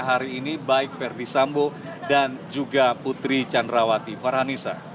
hari ini baik verdi sambo dan juga putri candrawati farhanisa